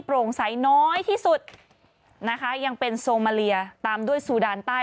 โปร่งใสน้อยที่สุดนะคะยังเป็นโซมาเลียตามด้วยซูดานใต้